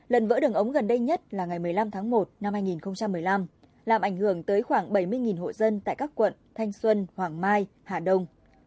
lần vỡ đường ống gần đây nhất là ngày một mươi năm tháng một năm hai nghìn một mươi năm làm ảnh hưởng tới khoảng bảy mươi hộ dân tại các quận thanh xuân hoàng mai hà đông